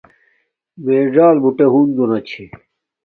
میے څل بوٹے ہنزو نا چھے